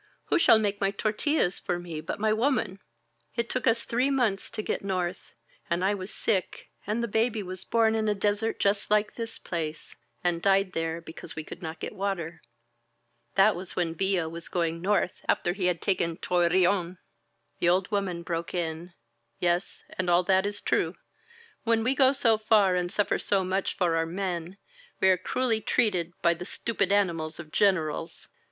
Who shall make my tortillas for me but my woman?' It took us three months to get north, and I was sick and the baby was bom in a desert just 197 INSURGENT MEXICO like this place, and died there because we could not get water. That was when Villa was going north after he had taken Torreon." The old woman broke in : "Yes, and all that is true. When we go so far and suffer so much for our men, we are cruelly treated by the stupid animals of Gren erals.